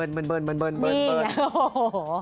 นี่แหละโอ้โห